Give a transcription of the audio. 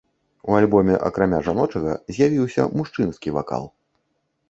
У альбоме, акрамя жаночага, з'явіўся мужчынскі вакал.